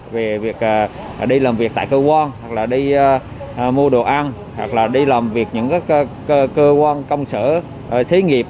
về việc đi làm việc tại cơ quan đi mua đồ ăn đi làm việc những cơ quan công sở xế nghiệp